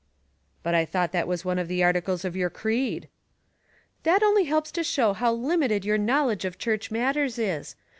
" But I thought that was one of the articles of your creed? "" That only helps to show how limited your knowledge of church matters is.